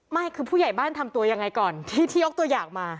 ไม่คือผู้ใหญ่บ้านทำตัวยังไงก่อนที่ยกตัวอย่างมา